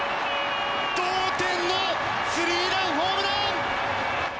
同点のスリーランホームラン！